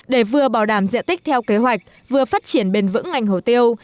để vừa bảo đảm diện tích theo kế hoạch vừa phát triển bền vững ngành hồ tiêu